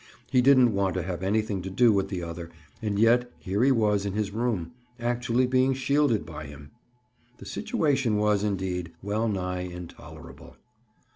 He didn't want to have anything to do with the other and yet here he was in his room, actually being shielded by him. The situation was, indeed, well nigh intolerable.